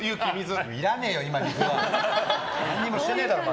何もしてねえだろ、まだ。